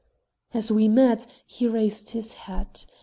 As we met, he raised his hat.